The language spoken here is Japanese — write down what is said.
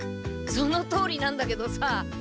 そのとおりなんだけどさ。